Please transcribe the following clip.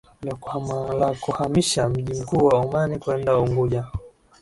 la kuhamisha mji mkuu wa Omani kwenda Unguja